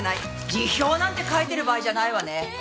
辞表なんて書いてる場合じゃないわね！